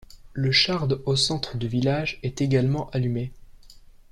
Le Shard au centre du village est également allumé.